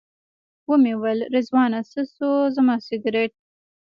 ومې ویل رضوانه څه شو زما سګرټ.